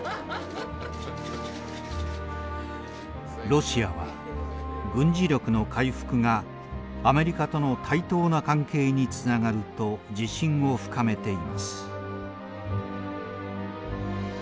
ロシアは軍事力の回復がアメリカとの対等な関係につながると自信を深めています。